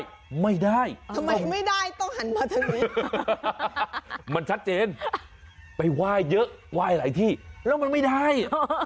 ไม่ได้ทำไมไม่ได้ต้องหันมาทางนี้มันชัดเจนไปไหว้เยอะไหว้หลายที่แล้วมันไม่ได้